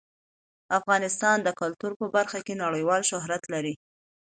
افغانستان د کلتور په برخه کې نړیوال شهرت لري.